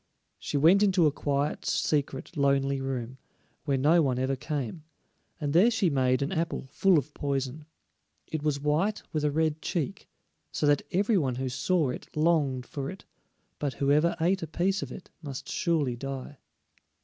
She went into a quiet, secret, lonely room, where no one ever came, and there she made an apple full of poison. It was white with a red cheek, so that every one who saw it longed for it; but whoever ate a piece of it must surely die.